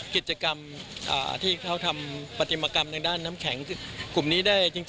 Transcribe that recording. กิจกรรมที่ดี